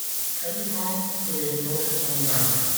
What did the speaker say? Quasiment tous les proches sont là.